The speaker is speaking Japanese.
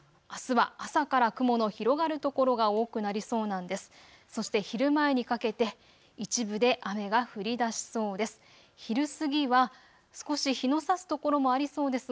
あすは朝から雲の広がる所が多くなりそうなんです。